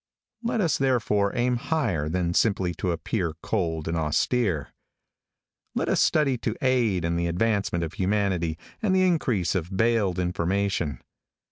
Let us therefore aim higher than simply to appear cold and austere. Let us study to aid in the advancement of humanity and the increase of baled information.